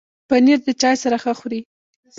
پنېر د چای سره ښه خوري.